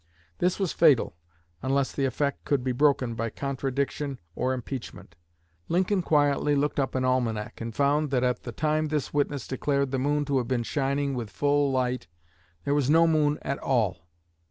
This was fatal, unless the effect could be broken by contradiction or impeachment. Lincoln quietly looked up an almanac, and found that at the time this witness declared the moon to have been shining with full light there was no moon at all.